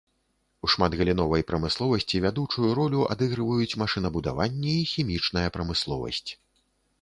У шматгаліновай прамысловасці вядучую ролю адыгрываюць машынабудаванне і хімічная прамысловасць.